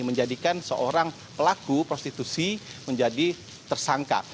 menjadikan seorang pelaku prostitusi menjadi tersangka